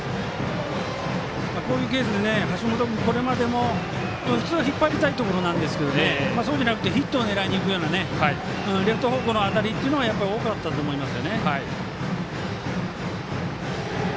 こういうケースで橋本君これまでも普通は引っ張りたいところですがそうじゃなくてヒットを狙いにいくようなレフト方向の当たりが多くなったと思います。